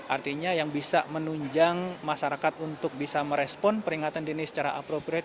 artinya yang bisa menunjang masyarakat untuk bisa merespon peringatan dini secara aprograde